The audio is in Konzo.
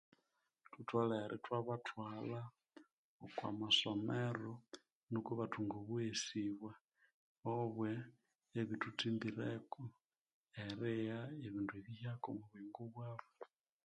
Thutholere ithwabathwalha okwa masomero nuko ibathunga obeghesibwa obwe ebithuthimbireko erigha ebindu ebihyaka omwa buyingo bwabo